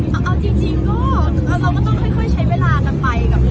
แต่ก็จริงเราก็เซอร์ไฟล์มากนะคะเซอร์ไฟล์มากที่แบบเขามาอะไรอย่างนี้